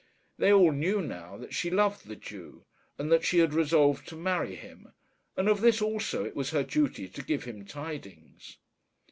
They all knew now that she loved the Jew, and that she had resolved to marry him; and of this also it was her duty to give him tidings.